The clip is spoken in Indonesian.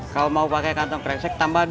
kalau mau pakai kantong kresek tambah dua ratus